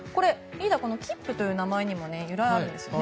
これ、ＫＩＰＰＵという名前にも由来があるんですよね。